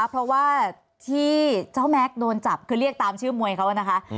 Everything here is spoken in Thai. เพราะว่าที่เจ้าแม็กซ์โดนจับคือเรียกตามชื่อมวยเขานะคะ